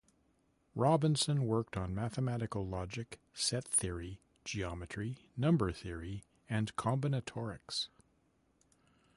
Robinson worked on mathematical logic, set theory, geometry, number theory, and combinatorics.